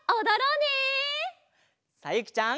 さゆきちゃん。